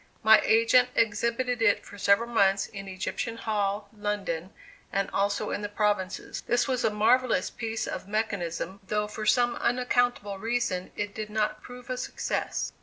My agent exhibited it for several months in Egyptian Hall, London, and also in the provinces. This was a marvellous piece of mechanism, though for some unaccountable reason it did not prove a success.